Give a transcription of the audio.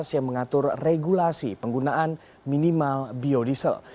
yang mengatur regulasi penggunaan minimal biodiesel